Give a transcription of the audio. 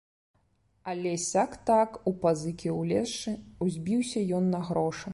Але сяк-так, у пазыкі ўлезшы, узбіўся ён на грошы.